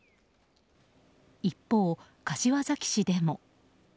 一方、柏崎市でも。